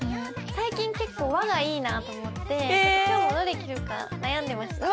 最近結構和がいいなと思って今日もどれ着るか悩んでました。